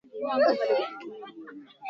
Karatasi nyeusi.